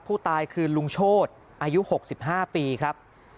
ผู้ตายคือลุงโชธอายุ๖๕ปีครับ